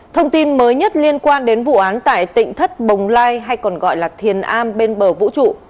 thông tin mới nhất liên quan đến vụ án tại tỉnh thất bồng lai hay còn gọi là thiền a bên bờ vũ trụ